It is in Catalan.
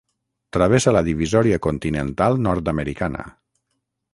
Travessa la divisòria continental nord-americana.